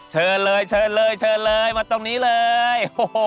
เชิญเลยมาตรงนี้เลย